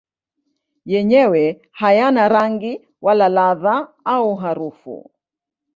Yenyewe hayana rangi wala ladha au harufu.